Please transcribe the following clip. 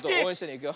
いくよ。